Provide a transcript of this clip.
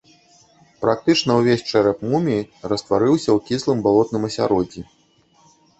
Практычна ўвесь чэрап муміі растварыўся ў кіслым балотным асяроддзі.